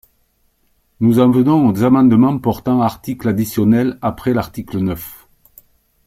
Nous en venons aux amendements portant article additionnel après l’article neuf.